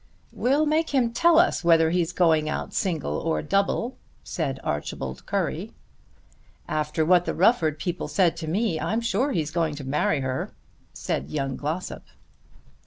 "We'll make him tell us whether he's going out single or double," said Archibald Currie. "After what the Rufford people said to me I'm sure he's going to marry her," said young Glossop.